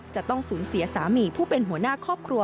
จะต้องสูญเสียสามีผู้เป็นหัวหน้าครอบครัว